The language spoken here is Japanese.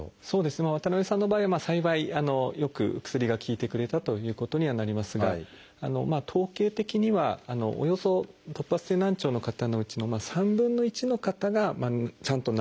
渡辺さんの場合は幸いよく薬が効いてくれたということにはなりますが統計的にはおよそ突発性難聴の方のうちの３分の１の方がちゃんと治ってくる。